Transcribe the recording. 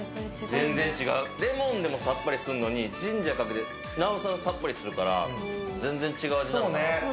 レモンでもさっぱりするのにジンジャーでなおさらさっぱりするから全然違う味。